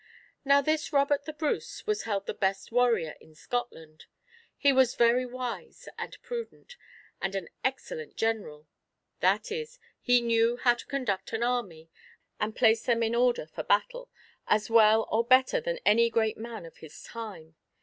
Now, this Robert the Bruce was held the best warrior in Scotland. He was very wise and prudent, and an excellent general; that is, he knew how to conduct an army, and place them in order for battle, as well or better than any great man of his time.